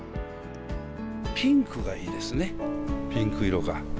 ピンクがいいですね、ピンク色が。